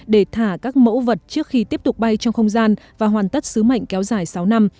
để thả các mẫu vật trước khi tiếp tục bay trong không gian và hoàn tất sứ mệnh kéo dài sáu năm